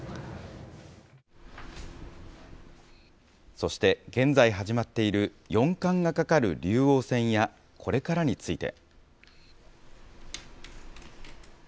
そして、現在始まっている四冠がかかる竜王戦やこれからについて。